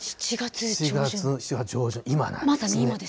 ７月の上旬、今なんです。